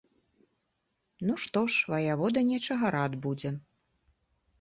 Ну, што ж, ваявода нечага рад будзе.